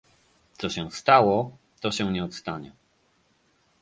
Co się stało, to się nie odstanie